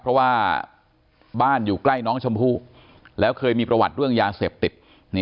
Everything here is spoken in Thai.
เพราะว่าบ้านอยู่ใกล้น้องชมพู่แล้วเคยมีประวัติเรื่องยาเสพติด